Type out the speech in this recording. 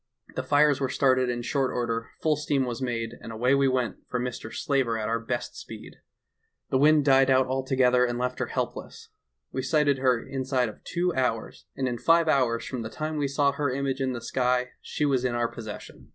The fires were started in short order, full steam was made, and away we went for Mr. Slaver at our best speed. The wind died out altogether and left her helpless ; we sighted her inside of two hours, and in five BETRAYED BY A MIRAGE. 179 hours from the time we saw her image in the sky she was in our possession.